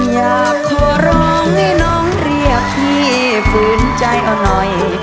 อยากขอร้องให้น้องเรียกพี่ฝืนใจเอาหน่อย